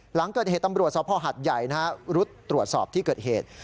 หลังเกิดเหตุตำรวจสภหัดใหญ่รุดตรวจสอบที่เกิดเหตุ